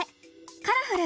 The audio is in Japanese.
「カラフル！